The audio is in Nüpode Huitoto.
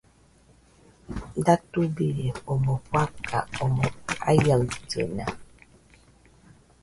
Datubirie omoi fakan omɨ aiaɨllena.